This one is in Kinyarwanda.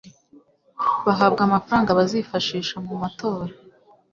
bahabwa amafaranga bazifashisha mu matora